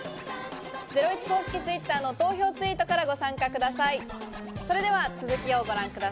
ゼロイチ公式Ｔｗｉｔｔｅｒの投票ツイートからご参加ください。